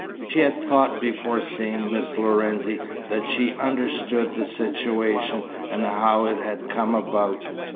She had thought before seeing Miss Lorenzi that she understood the situation, and how it had come about.